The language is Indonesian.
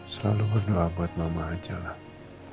selalu berdoa buat mama aja lah